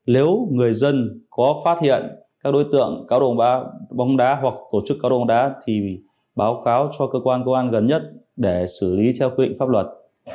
nếu người dân có phát hiện các đối tượng cáo đồ bóng đá hoặc tổ chức cáo đồ bóng đá thì báo cáo cho cơ quan công an gần nhất để xử lý theo quy định pháp luật